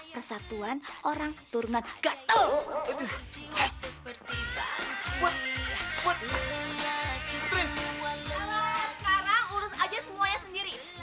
persatuan orang turunan gatel